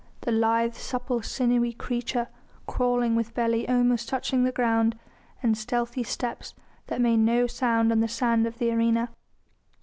the lithe supple sinewy creature crawling with belly almost touching the ground and stealthy steps that made no sound on the sand of the arena.